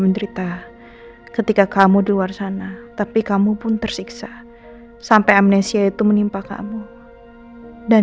menderita ketika kamu di luar sana tapi kamu pun tersiksa sampai amnesia itu menimpa kamu dan